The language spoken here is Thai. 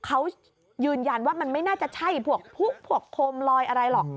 เขายืนยันว่ามันไม่น่าจะใช่พวกพุกพวกโคมลอยอะไรหรอก